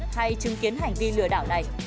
hay chứng kiến hành vi lừa đảo này